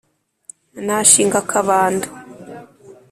nashinga akabando